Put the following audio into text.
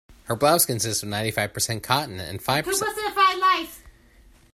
Her blouse consists of ninety-five percent cotton and five percent polyester.